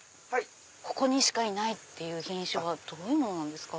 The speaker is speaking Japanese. ここにしかいないっていう品種はどういうのなんですか？